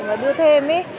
và đưa thêm ý